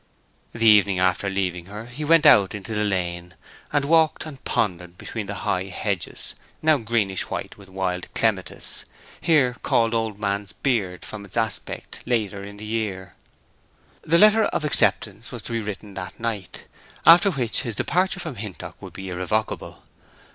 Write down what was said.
The evening after leaving her he went out into the lane, and walked and pondered between the high hedges, now greenish white with wild clematis—here called "old man's beard," from its aspect later in the year. The letter of acceptance was to be written that night, after which his departure from Hintock would be irrevocable.